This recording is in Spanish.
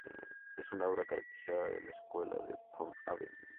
Es una obra característica de la escuela de Pont-Aven.